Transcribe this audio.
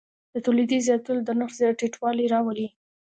د تولید زیاتوالی د نرخ ټیټوالی راولي.